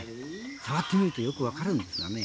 触ってみるとよく分かるんですよね。